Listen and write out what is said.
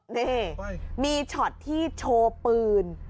นี่มีช็อตที่โชว์ปืน